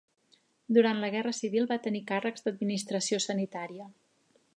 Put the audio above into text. Durant la Guerra Civil va tenir càrrecs d'administració sanitària.